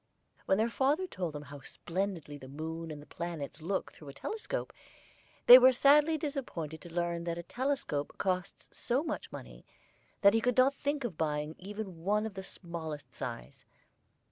When their father told them how splendidly the moon and the planets look through a telescope, they were sadly disappointed to learn that a telescope costs so much money that he could not think of buying even one of the smallest size.